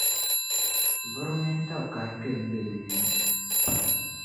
viri mini taatahi kpe m-be bɛ yinsi.